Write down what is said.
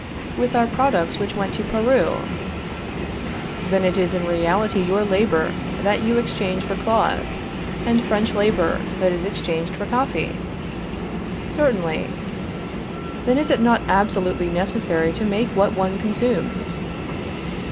With our products which went to Peru. Then it is in reality your labor that you exchange for cloth, and French labor that is exchanged for coffee? Certainly. Then it is not absolutely necessary to make what one consumes?